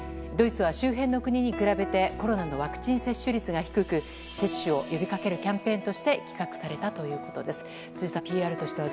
ドイツは周辺の国に比べてコロナのワクチン接種率が低く接種を呼びかけるキャンペーンとして企画されたということです。